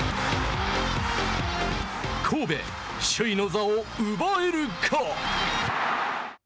神戸、首位の座を奪えるか。